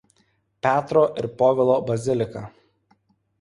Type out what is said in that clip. Petro ir Povilo bazilika.